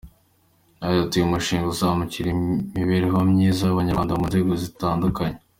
Yagize ati “Uyu mushinga uzamura imibereho myiza y’abanyarwanda mu nzego zitandukanye.